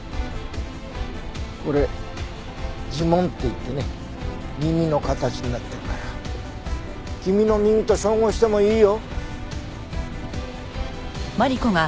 これ耳紋っていってね耳の形になってるから君の耳と照合してもいいよ。